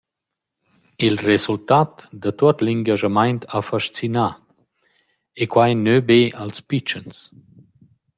Il resultat da tuot l’ingaschamaint ha fascinà, e quai na «be» als pitschens.